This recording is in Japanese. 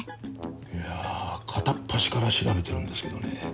いや片っ端から調べてるんですけどね